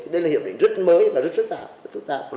đây là hiệp định rất mới và rất sức tạp